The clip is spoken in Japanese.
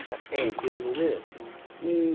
余計にね。